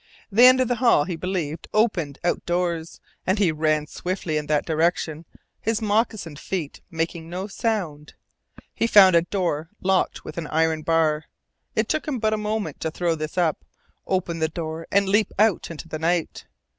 The end of the hall he believed opened outdoors, and he ran swiftly in that direction, his moccasined feet making no sound. He found a door locked with an iron bar. It took him but a moment to throw this up, open the door, and leap out into the night.